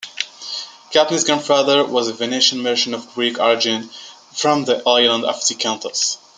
Kapnist's grandfather was a Venetian merchant of Greek origin from the island of Zakynthos.